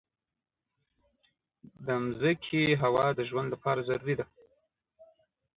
د مځکې هوا د ژوند لپاره ضروري ده.